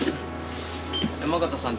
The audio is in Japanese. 山縣さん